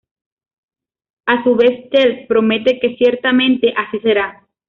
A su vez Teal'c promete que ciertamente así será.